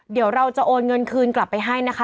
เดี๋ยวเราจะโอนเงินคืนกลับไปให้นะคะ